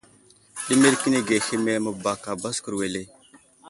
Ɗimirkinige hehme məbaka baskur wele.